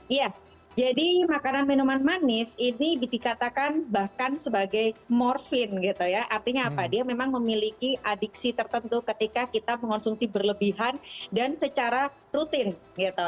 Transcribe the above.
iya jadi makanan minuman manis ini dikatakan bahkan sebagai morfin gitu ya artinya apa dia memang memiliki adiksi tertentu ketika kita mengonsumsi berlebihan dan secara rutin gitu